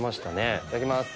いただきます。